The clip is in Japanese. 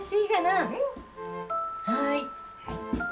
はい。